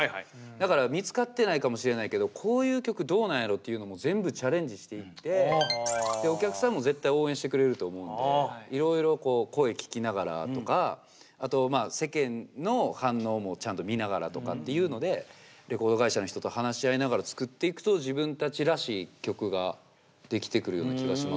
だから見つかってないかもしれないけどこういう曲どうなんやろうっていうのも全部チャレンジしていってお客さんも絶対応援してくれると思うんでいろいろ声聞きながらとかあと世間の反応もちゃんと見ながらとかっていうのでレコード会社の人と話し合いながら作っていくと自分たちらしい曲ができてくるような気がしますね。